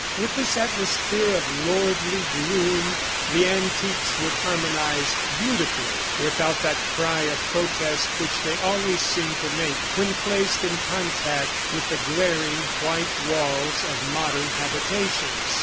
With this atmosphere of lordly gloom, the antiques would harmonize beautifully, without that cry of protest which they always seemed to make when placed in contact with the glaring white walls of modern habitations.